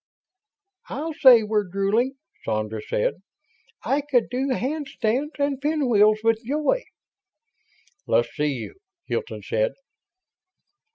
"I'll say we're drooling," Sandra said. "I could do handstands and pinwheels with joy." "Let's see you," Hilton said.